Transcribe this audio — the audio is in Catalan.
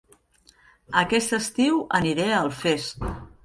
Aquest estiu aniré a Alfés